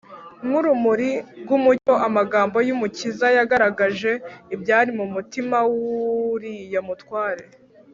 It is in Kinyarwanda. Nk’urumuri rw’umucyo, amagambo y’Umukiza yagaragaje ibyari mu mutima w’uriya mutware.